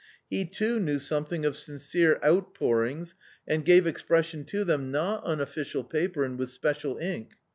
He too knew something of sincere outpourings and gave A COMMON STORY 279 expression to them not on official paper and with special ink.